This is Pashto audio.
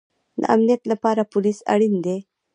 د امنیت لپاره پولیس اړین دی